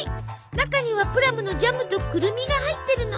中にはプラムのジャムとクルミが入ってるの。